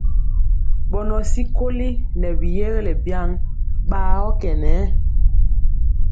Bɔnɔ tyikoli nɛ bi yégelé biaŋg bagɔ kɛ nɛ.